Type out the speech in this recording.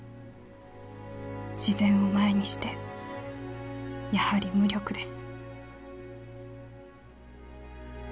自然を前にしてやはり無力です」。